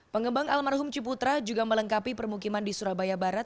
pengembang almarhum ciputra juga melengkapi permukiman di surabaya barat